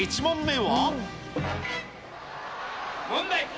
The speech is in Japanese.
問題。